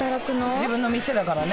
自分の店だからね。